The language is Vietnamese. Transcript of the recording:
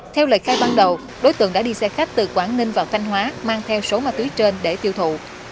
theo lời khai ban đầu đối tượng đã đi xe khách từ quảng ninh vào thanh hóa mang theo số ma túy trên để tiêu thụ